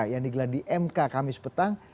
yang digelar di mk kamis petang